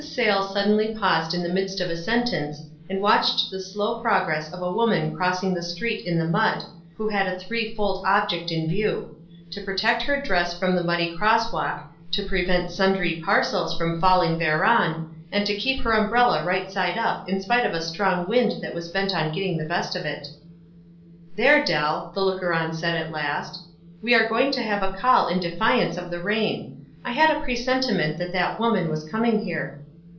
Sayles suddenly paused in the midst of 82 WISE AND OTHERWISE. 83 a sentence, and watched the slow progress of a woman crossing the street in the mud, who had a threefold object in view : to protect her dress from the muddy crosswalk, to prevent sundry parcels from falling thereon, and to keep her umbrella right side up in spite of a strong wind that was bent on getting the best of it. "There, Dell!" the looker on said at last, "we arc going to have a call in defiance of the rain. I had a presentiment that that woman was coming here."